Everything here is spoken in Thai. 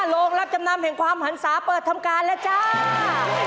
โรงรับจำนำแห่งความหันศาเปิดทำการแล้วจ้า